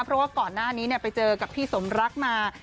เพราะว่าก่อนหน้านี้ไปเจอกับพี่สมรักมา